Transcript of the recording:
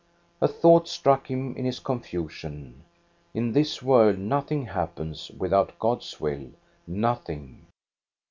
A thought struck him in his confusion. In this world nothing happens without God's will, nothing.